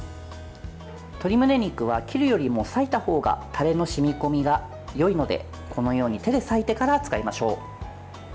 鶏むね肉は切るよりも割いた方がタレの染み込みがよいのでこのように手で割いてから使いましょう。